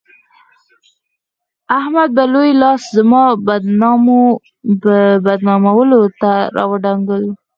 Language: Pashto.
احمد به لوی لاس زما بدنامولو ته راودانګل.